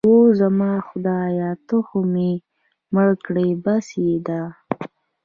اوه، زما خدایه ته خو مې مړ کړې. بس يې ده.